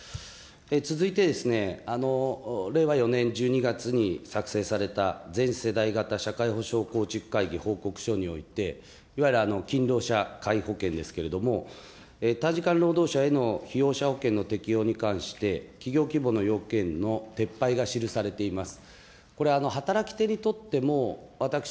続いてですね、令和４年１２月に作成された全世代型社会保障構築会議の報告書において、いわゆる勤労者皆保険ですけれども、短時間労働者への保険等に対しての要件の撤廃が記されています。